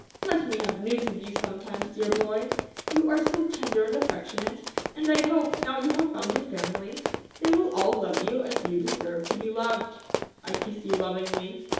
Let me have news of you sometimes, dear boy, you are so tender and affectionate, and I hope, now you have found your family, they will all love you as you deserve to be loved. I kiss you lovingly.